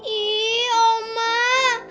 ih oh mak